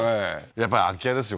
やっぱり空き家ですよ